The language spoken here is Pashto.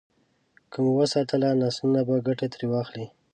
که مو وساتله، نسلونه به ګټه ترې واخلي.